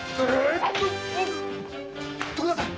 徳田さん